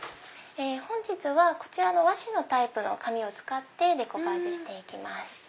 本日はこちらの和紙のタイプの紙を使ってデコパージュして行きます。